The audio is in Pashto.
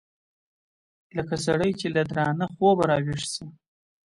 لکه سړى چې له درانه خوبه راويښ سي.